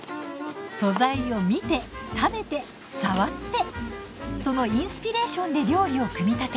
素材を見て食べて触ってそのインスピレーションで料理を組み立てる。